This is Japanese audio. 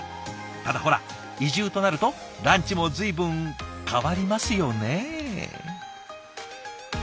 ただほら移住となるとランチも随分変わりますよね？